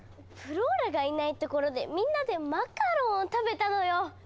フローラがいないところでみんなでマカロンを食べたのよ！